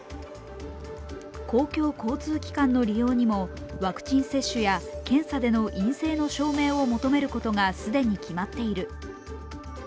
公共交通機関の利用にもワクチン接種や検査での陰性の証明を求めることが既に決まっている。